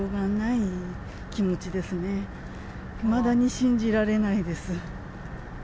いまだに信じられないです。